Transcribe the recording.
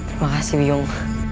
terima kasih byung